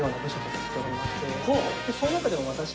その中でも。